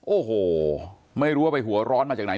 โอ้โหไม่รู้ว่าไปหัวร้อนมาจากไหน